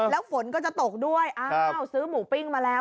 แล้วฝนก็จะตกด้วยอ้าวซื้อหมูปิ้งมาแล้ว